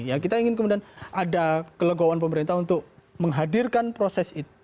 ya kita ingin kemudian ada kelegoan pemerintah untuk menghadirkan proses itu